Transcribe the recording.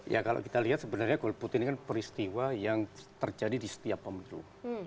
ya kalau kita lihat sebenarnya golput ini kan peristiwa yang terjadi di setiap pemilu